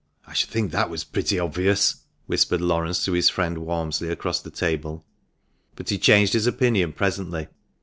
" I should think that was pretty obvious," whispered Laurence to his friend Walmsley across the table, but he changed his opinion presently.